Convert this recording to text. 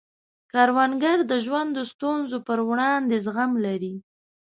کروندګر د ژوند د ستونزو پر وړاندې زغم لري